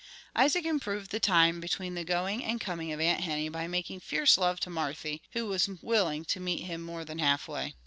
Isaac improved the time between the going and coming of Aunt Henny by making fierce love to Marthy, who was willing to meet him more than half way.